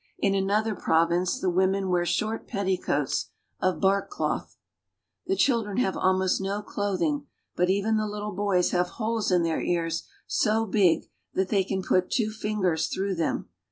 In another province the women wear short petti coats of bark cloth. The children have almost no clothing, but even the lit tle bovs have boles in their ears so big that they can put I ^^^^ OWl two fingers through them.